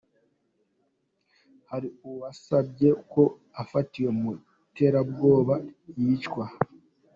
Hari uwasabye ko ufatiwe mu iterabwoba yicwa.